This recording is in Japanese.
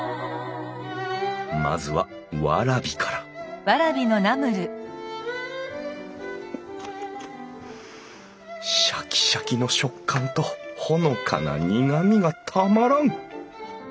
まずはワラビからシャキシャキの食感とほのかな苦味がたまらん！